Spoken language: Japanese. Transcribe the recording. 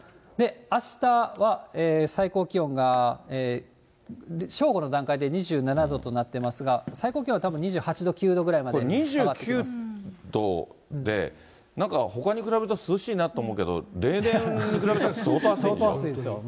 あしたは最高気温が、正午の段階で２７度となってますが、最高気温はたぶん、２８度、これ２９度で、なんかほかに比べると涼しいなと思うけど、相当暑いですよ。